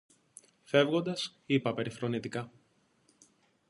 Φεύγοντας, είπα περιφρονητικά: